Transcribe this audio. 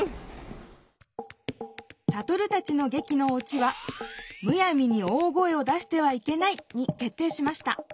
サトルたちの劇の「落ち」は「むやみに大声を出してはいけない」にけっていしました。